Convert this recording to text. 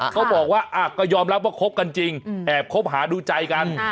เขาบอกว่าก็ยอมรับว่าคบกันจริงแอบคบหาดูใจกัน